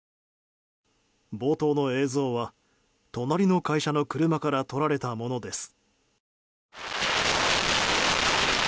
冒頭の映像は隣の会社の車から撮られたものです。